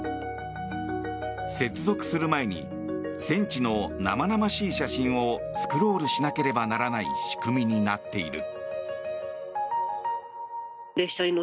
接続する前に戦地の生々しい写真をスクロールしなければならない仕組みになっている。